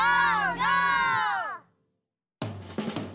ゴー！